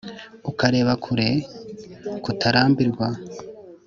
ukareba kure; kutarambirwa;